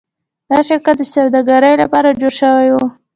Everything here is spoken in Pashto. دا شرکت د سوداګرۍ لپاره جوړ شوی و.